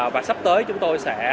và sắp tới chúng tôi sẽ